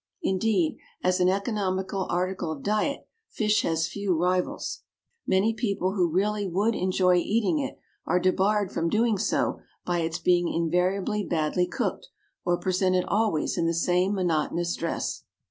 Indeed, as an economical article of diet, fish has few rivals. Many people who really would enjoy eating it are debarred from doing so by its being invariably badly cooked, or presented always in the same monotonous dress.